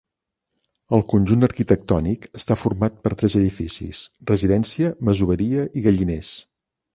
El conjunt arquitectònic està format per tres edificis: residència, masoveria i galliners.